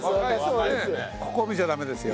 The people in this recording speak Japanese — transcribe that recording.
ここ見ちゃダメですよ。